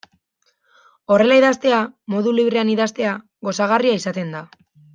Horrela idaztea, modu librean idaztea, gozagarria izaten da.